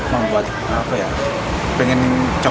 makannya dagingnya itu empuk